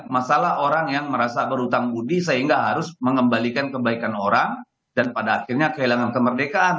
masalah orang yang merasa berhutang budi sehingga harus mengembalikan kebaikan orang dan pada akhirnya kehilangan kemerdekaan